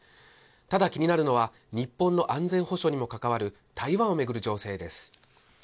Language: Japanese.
ただ、気になるのは、日本の安全保障にも関わる台湾を巡る情勢です。